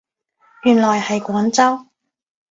原來係廣州